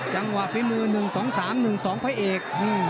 จังหวะภีมือ๑๒๓๑๒พระเอก